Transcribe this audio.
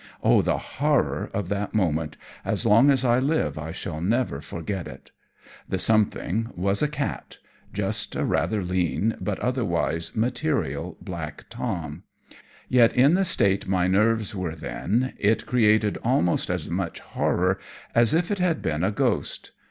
Oh, the horror of that moment, as long as I live I shall never forget it. The something was a cat, just a rather lean but otherwise material, black Tom; yet, in the state my nerves were then, it created almost as much horror as if it had been a ghost.